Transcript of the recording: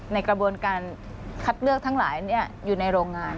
ในกระบวนการคัดเลือกทั้งหลายอยู่ในโรงงาน